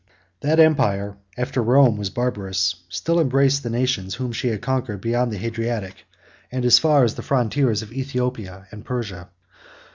That empire, after Rome was barbarous, still embraced the nations whom she had conquered beyond the Adriatic, and as far as the frontiers of Aethiopia and Persia.